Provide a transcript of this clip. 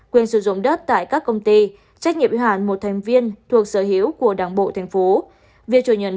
quyền sử dụng đất tại các công ty trách nhiệm hạn một thành viên thuộc sở hữu của đảng bộ thành phố